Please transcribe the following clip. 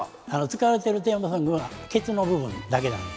使われてるテーマソングはケツの部分だけなの。